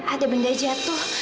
ada benda jatuh